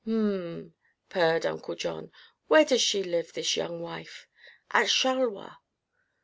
"M m," purred Uncle John; "where does she live, this young wife?" "At Charleroi."